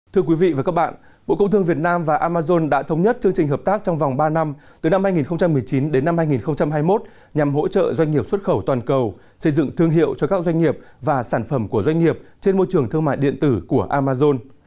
thưa quý vị và các bạn bộ công thương việt nam và amazon đã thống nhất chương trình hợp tác trong vòng ba năm từ năm hai nghìn một mươi chín đến năm hai nghìn hai mươi một nhằm hỗ trợ doanh nghiệp xuất khẩu toàn cầu xây dựng thương hiệu cho các doanh nghiệp và sản phẩm của doanh nghiệp trên môi trường thương mại điện tử của amazon